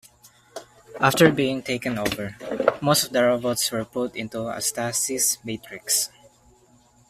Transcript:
After being taken over, most of the robots were put into a stasis matrix.